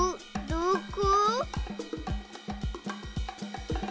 どこ！